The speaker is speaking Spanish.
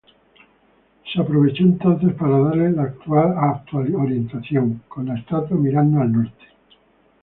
Se aprovechó entonces para darle la actual orientación, con la estatua mirando al norte.